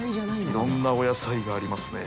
いろんなお野菜がありますね。